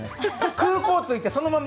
空港着いてそのまま